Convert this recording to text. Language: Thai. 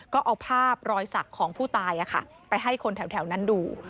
ก็เอาภาพรอยสักของผู้ตายไปให้คนแถวนั้นดู